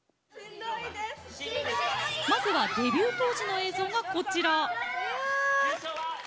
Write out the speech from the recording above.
まずはデビュー当時の映像がこちら。